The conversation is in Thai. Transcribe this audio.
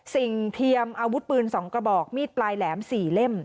เทียมอาวุธปืน๒กระบอกมีดปลายแหลม๔เล่ม